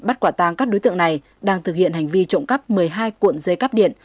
bắt quả tàng các đối tượng này đang thực hiện hành vi trộm cắp một mươi hai cuộn dây cắp điện